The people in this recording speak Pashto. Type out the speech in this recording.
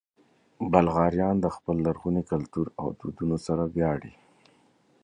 بلغاریان د خپل لرغوني کلتور او دودونو سره ویاړي.